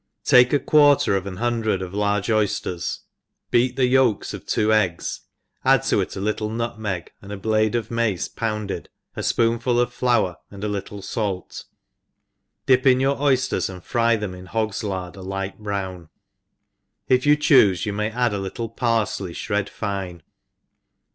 TAKE a quarter of ^n hundred of large oy» fters, beat the yolks of two eggs, add to it a little nutmeg, and a blade of mace pounded, a fpoonful of flour, and a little fait, dip in your oyilprs, and fry them in hogs lard a light brown ; if you choofe you may add a little parfley fhred fine.